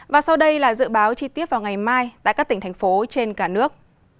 và sau đây là dự báo chi tiết vào ngày mai tại các tỉnh thành phố trên cả nước